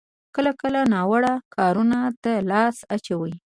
کله کله ناوړه کارونو ته لاس اچوي.